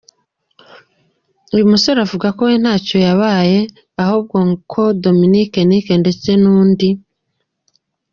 Uyu musore avuga ko we ntacyo yabaye ahubwo ko Dominic Nic ndetse nundi.